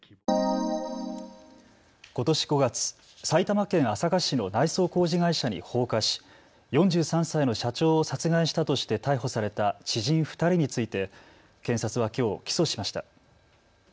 ことし５月、埼玉県朝霞市の内装工事会社に放火し４３歳の社長を殺害したとして逮捕された知人２人について検察はきょう起訴しました。